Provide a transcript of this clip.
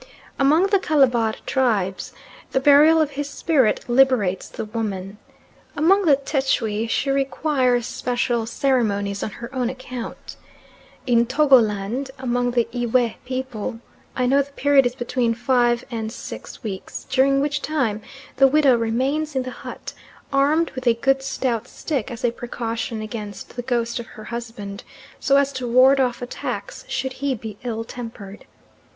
Among the Calabar tribes the burial of his spirit liberates the woman. Among the Tschwi she requires special ceremonies on her own account. In Togoland, among the Ewe people, I know the period is between five and six weeks, during which time the widow remains in the hut, armed with a good stout stick, as a precaution against the ghost of her husband, so as to ward off attacks should he be ill tempered.